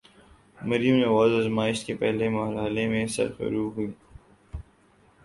مریم نواز آزمائش کے پہلے مرحلے میں سرخرو ہوئیں۔